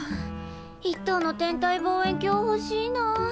一等の天体望遠鏡ほしいな。